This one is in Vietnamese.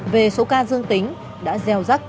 về số ca dương tính đã gieo rắc